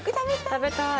食べたい。